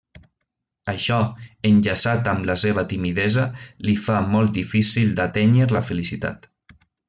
Això, enllaçat amb la seva timidesa, li fa molt difícil d'atènyer la felicitat.